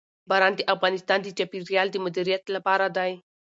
باران د افغانستان د چاپیریال د مدیریت لپاره دی.